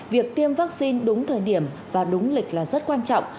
việc tiêm vaccine đúng thời điểm và đúng lịch là rất quan trọng